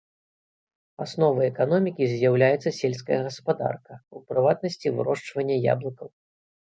Асновай эканомікі з'яўляецца сельская гаспадарка, у прыватнасці вырошчванне яблыкаў.